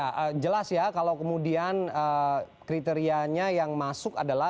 ya jelas ya kalau kemudian kriterianya yang masuk adalah